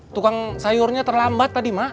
tukang sayurnya terlambat tadi mak